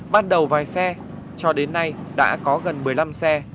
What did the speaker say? ban đầu vài xe cho đến nay đã có gần một mươi năm xe